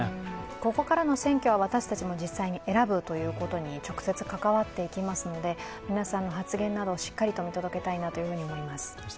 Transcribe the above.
ここからの選挙は私たちも実際、選ぶということに直接関わっていきますので皆さんの発言など、しっかりと見届けたいと思います。